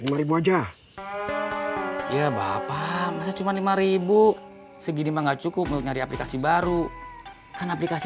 hai uh ribu aja ya bapak cuma rp lima segini mah nggak cukup mencari aplikasi baru kan aplikasi